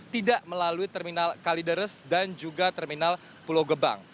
tidak melalui terminal kalideres dan juga terminal pulau gebang